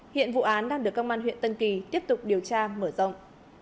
hiện vụ án đang được công an huyện tân kỳ tiếp tục điều tra mở rộng